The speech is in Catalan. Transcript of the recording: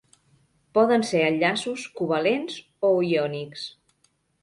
Poden ser enllaços covalents o iònics.